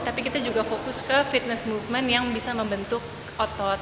tapi kita juga fokus ke fitness movement yang bisa membentuk otot